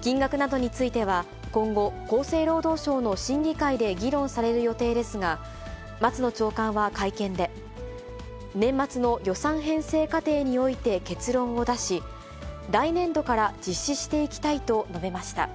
金額などについては、今後、厚生労働省の審議会で議論される予定ですが、松野長官は会見で、年末の予算編成過程において結論を出し、来年度から実施していきたいと述べました。